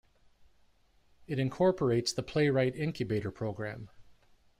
It incorporates the Playwright Incubator Programme.